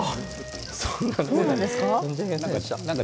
そうなんですか。